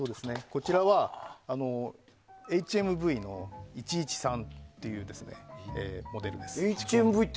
こちらはＨＭＶの１１３というモデルです。